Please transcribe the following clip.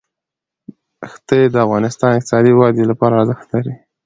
ښتې د افغانستان د اقتصادي ودې لپاره ارزښت لري.